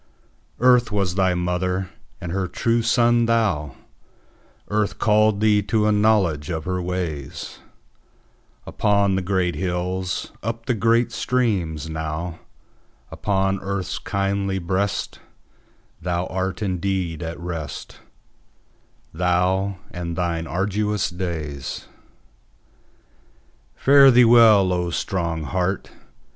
Earth was thy mother, and her true son thou:Earth called thee to a knowledge of her ways, Upon the great hills, up the great streams: nowUpon earth's kindly breastThou art indeed at rest:Thou, and thine arduous days. Fare thee well, O strong heart!